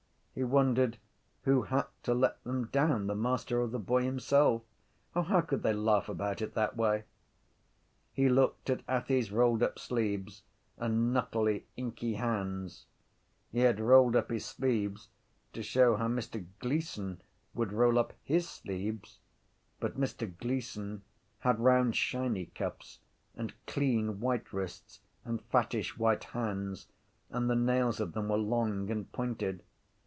He wondered who had to let them down, the master or the boy himself. O how could they laugh about it that way? He looked at Athy’s rolled up sleeves and knuckly inky hands. He had rolled up his sleeves to show how Mr Gleeson would roll up his sleeves. But Mr Gleeson had round shiny cuffs and clean white wrists and fattish white hands and the nails of them were long and pointed.